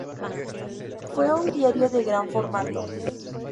Fue un diario de gran formato.